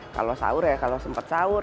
kalau sahur ya kalau sempat sahur